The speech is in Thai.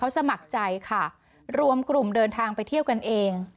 สมัครใจค่ะรวมกลุ่มเดินทางไปเที่ยวกันเอง